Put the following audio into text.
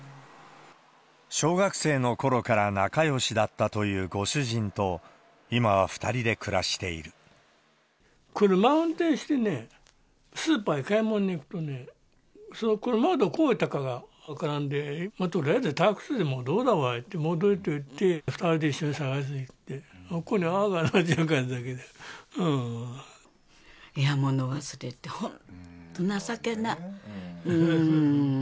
小学生のころから仲よしだったというご主人と、今は２人で暮車を運転してね、スーパーに買い物に行くとね、その車をどこに置いたかが分からんで、もうとりあえずタクシーでもどうだって言って、戻っていって、２人で一緒に捜しに行って、いや、物忘れって本当、情けない。